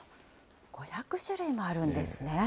５００種類もあるんですね。